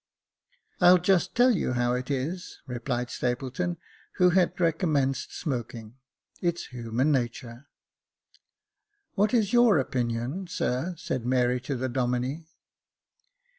" I'll just tell you how it is," replied Stapleton, who had recommenced smoking ;" it's human natur^ " What is your opinion, sir ?" said Mary to the Domine.